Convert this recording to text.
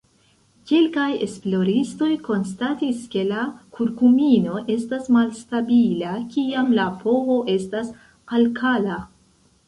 Kelkaj esploristoj konstatis ke la kurkumino estas malstabila kiam la pH estas alkala.